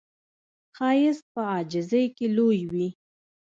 ښایست په عاجزۍ کې لوی وي